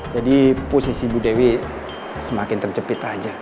jadi posisi bu dewi semakin terjepit aja